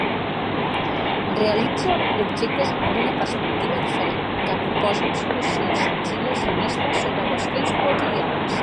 Realitza objectes amb una perspectiva diferent, que proposen solucions senzilles i honestes sobre qüestions quotidianes.